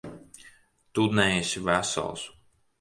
Tu neesi vesels.